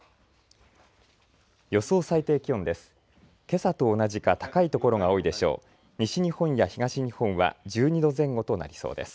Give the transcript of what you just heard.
予想最低気温です。